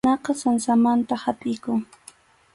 Ninaqa sansamanta hapʼikun.